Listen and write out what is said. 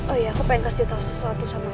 oh iya aku pengen kasih tau sesuatu sama kamu